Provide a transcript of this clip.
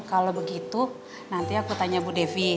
kalau begitu nanti aku tanya bu devi